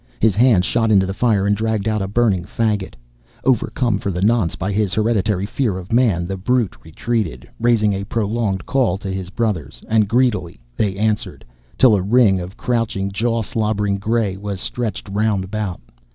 His hand shot into the fire and dragged out a burning faggot. Overcome for the nonce by his hereditary fear of man, the brute retreated, raising a prolonged call to his brothers; and greedily they answered, till a ring of crouching, jaw slobbered gray was stretched round about.